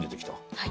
はい。